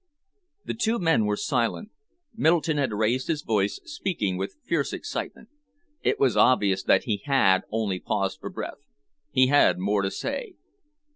The two men were silent. Middleton had raised his voice, speaking with fierce excitement. It was obvious that he had only paused for breath. He had more to say.